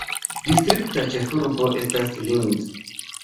Distrikta ĉefurbo estas Linz.